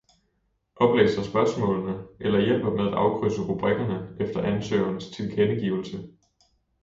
oplæser spørgsmålene eller hjælper med at afkrydse rubrikkerne efter ansøgerens tilkendegivelse